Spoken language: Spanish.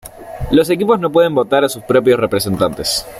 Los equipos no pueden votar a sus propios representantes.